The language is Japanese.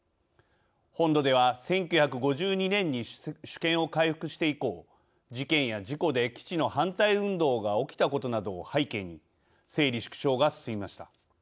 本土では１９５２年に主権を回復して以降事件や事故で基地の反対運動が起きたことなどを背景に整理・縮小が進みました。